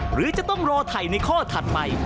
หรือจะต้องรอถ่ายในข้อถัดไป